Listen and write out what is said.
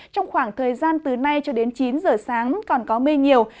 trong khoảng thời gian từ nay cho đến chín giờ sáng còn có mây nhiều